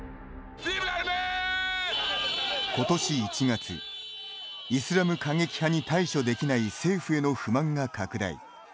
ことし１月イスラム過激派に対処できない政府への不満が拡大。